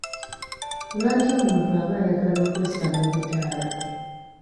Lwaki omuntu aba ayagala okwessa mu butaala?